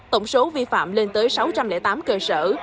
tổng số vi phạm lên tới sáu trăm linh tám cơ sở